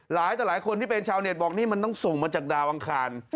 ต่อหลายคนที่เป็นชาวเน็ตบอกนี่มันต้องส่งมาจากดาวอังคาร